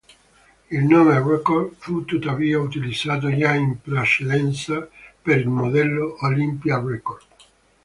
Il nome "Rekord" fu tuttavia utilizzato già in precedenza per il modello Olympia Rekord.